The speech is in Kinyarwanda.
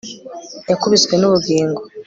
Yakubiswe nubugingo